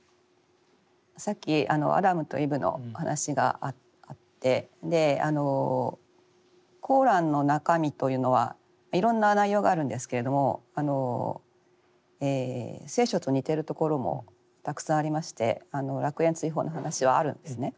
さっきアダムとイブの話があってコーランの中身というのはいろんな内容があるんですけれども聖書と似ているところもたくさんありまして楽園追放の話はあるんですね。